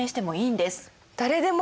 誰でも？